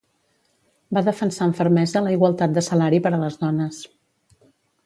Va defensar amb fermesa la igualtat de salari per a les dones.